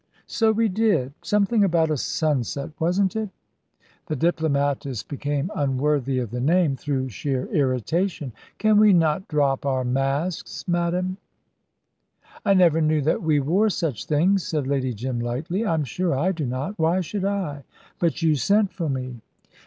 So we did! Something about a sunset, wasn't it?" The diplomatist became unworthy of the name, through sheer irritation. "Can we not drop our masks, madame?" "I never knew that we wore such things," said Lady Jim, lightly. "I am sure I do not. Why should I?" "But you sent for me."